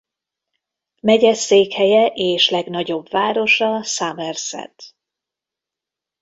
Megyeszékhelye és legnagyobb városa Somerset.